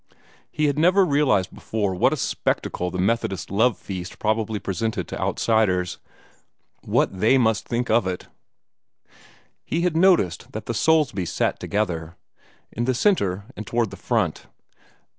He had never realized before what a spectacle the Methodist love feast probably presented to outsiders. What must they think of it! He had noticed that the Soulsbys sat together, in the centre and toward the front.